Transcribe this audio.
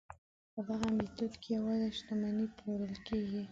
په دغه میتود کې یوازې شتمنۍ پلورل کیږي.